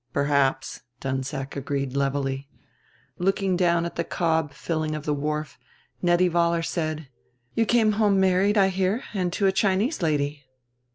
"Perhaps," Dunsack agreed levelly. Looking down at the cob filling of the wharf, Nettie Vollar said, "You came home married, I hear, and to a Chinese lady."